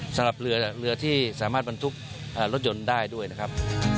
สำหรับเรือที่สามารถบรรทุกรถยนต์ได้ด้วยนะครับ